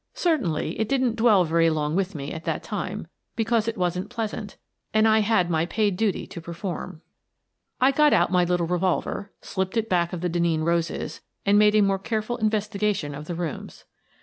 Cer tainly, it didn't dwell very long with me at that 28 Miss Frances Baird, Detective time, because it wasn't pleasant, and I had my paid duty to perform. I got out my little revolver, slipped it back of the Denneen roses, and made a more careful in vestigation of the rooms.